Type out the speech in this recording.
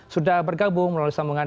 sudah bergabung melalui sambungan